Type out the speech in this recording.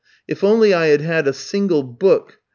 If only I had had a single book.